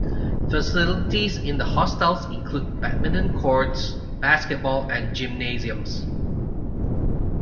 Facilities in the hostels include badminton courts, basketball, and gymnasiums.